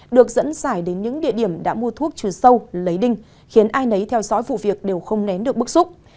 được dẫn dài đến những địa điểm đã mua thuốc trừ sâu lấy đinh khiến ai nấy theo dõi vụ việc đều không nén được bức xúc